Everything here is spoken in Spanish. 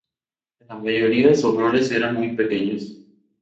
En la mayoría sus roles eran muy pequeños.